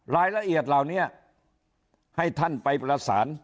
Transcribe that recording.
รายละเอียดเหล่านี้ให้ท่านไปประสาน